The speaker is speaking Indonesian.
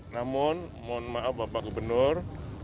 namun mohon maaf bapak gubernur